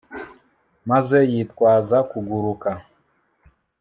maze yitwaza kuguruka